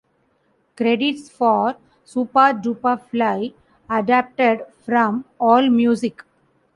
Credits for "Supa Dupa Fly" adapted from AllMusic.